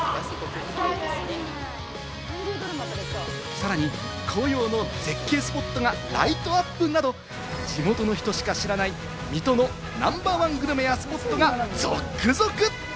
さらに紅葉の絶景スポットがライトアップなど地元の人しか知らない水戸のナンバー１グルメやスポットが続々。